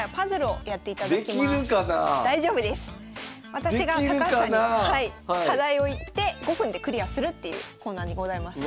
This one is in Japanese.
私が高橋さんに課題を言って５分でクリアするっていうコーナーにございます。